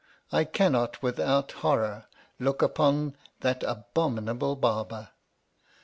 I cannot without horror look upon, that abominable Barber.